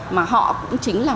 mà họ cũng chính là